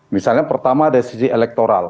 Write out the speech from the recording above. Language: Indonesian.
misalnya pertama dari sisi elektoral